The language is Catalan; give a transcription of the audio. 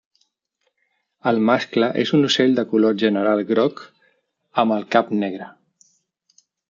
El mascle és un ocell de color general groc amb el cap negre.